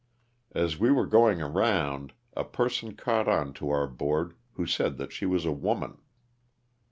As we were going around a person caught on to our board, who said that she was a woman.